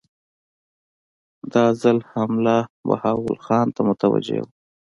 دا ځل حمله بهاول خان ته متوجه وه.